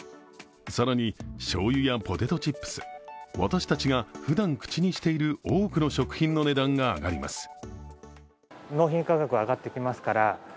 更に、しょうゆやポテトチップス私たちがふだん口にしている多くの食品の値段が上がります。